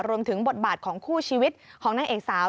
รวมถึงบทบาทของคู่ชีวิตของนางเอกสาว